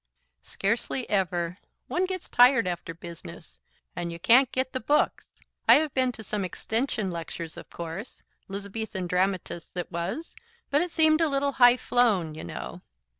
"Scarcely ever. One gets tired after business, and you can't get the books. I have been to some extension lectures, of course, 'Lizabethan Dramatists,' it was, but it seemed a little high flown, you know.